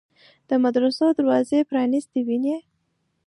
د مدرسو دروازې پرانیستې ویني.